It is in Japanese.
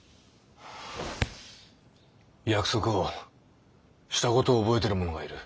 約束をした事を覚えてる者がいる。